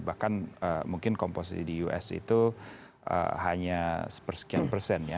bahkan mungkin komposisi di us itu hanya sepersekian persen ya